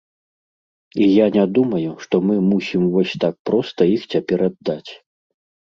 І я не думаю, што мы мусім вось так проста іх цяпер аддаць.